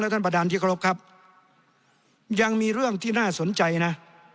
แล้วท่านประดานดิกรบครับยังมีเรื่องที่น่าสนใจนะ